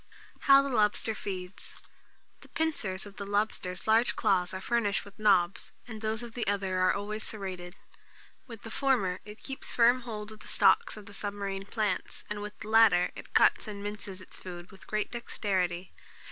How the Lobster Feeds. The pincers of the lobster's large claws are furnished with nobs, and those of the other, are always serrated. With the former, it keeps firm hold of the stalks of submarine plants, and with the latter, it cuts and minces its food with great dexterity.